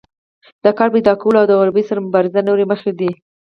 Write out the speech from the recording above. د کار پیداکول او د غریبۍ سره مبارزه نورې موخې دي.